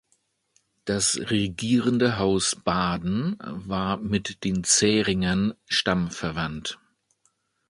Das regierende Haus Baden war mit den Zähringern stammverwandt.